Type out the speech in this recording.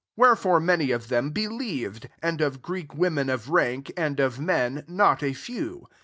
12 Wherefore many of them believed ; and of Greek women of rank, and of men, not a few.